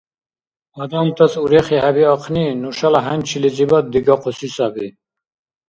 Адамтас урехи хӏебиахъни – нушала хӏянчилизибад дигахъуси саби